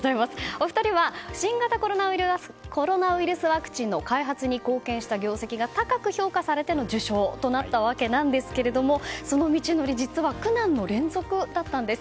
お二人は新型コロナウイルスワクチンの開発に貢献した業績が高く評価されての受賞となったわけなんですけれどもその道のり実は苦難の連続だったんです。